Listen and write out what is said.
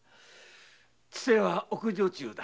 千勢は奥女中だ。